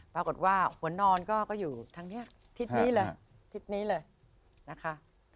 ปรากฏว่าหัวนอนก็อยู่ทางนี้ทิศนี้เลยทิศนี้เลยนะคะ